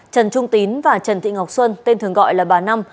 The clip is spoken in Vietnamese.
trần trung tín và trần thị ngọc xuân tên thường gọi là bà năm